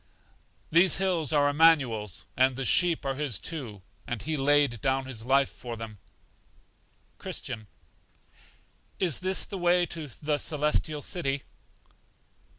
These hills are Immanuel's, and the sheep are His too, and He laid down his life for them. Christian. Is this the way to The Celestial City?